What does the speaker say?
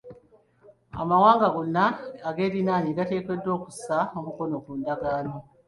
Amawanga gonna ageeriraanye gateekeddwa okusa omukono ku ndagaano.